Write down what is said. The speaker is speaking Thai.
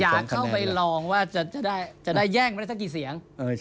อยากเข้าไปลองว่าจะได้แย่งไปได้สักกี่เสียง